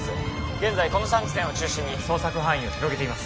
現在この３地点を中心に捜索範囲を広げています